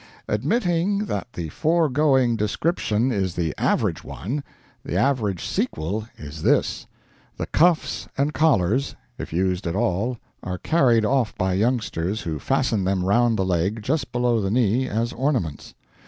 "Admitting that the foregoing description is the average one, the average sequel is this: The cuffs and collars, if used at all, are carried off by youngsters, who fasten them round the leg, just below the knee, as ornaments.